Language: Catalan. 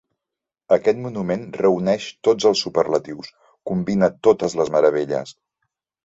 Aquest monument reuneix tots els superlatius, combina totes les meravelles.